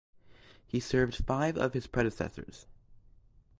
He served five of his predecessors.